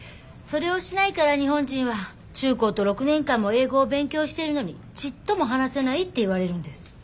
それをしないから日本人は中・高と６年間も英語を勉強してるのにちっとも話せないって言われるんです。